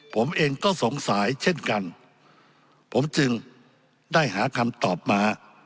ผมเองก็สงสัยเช่นกันผมจึงได้หาคำตอบมา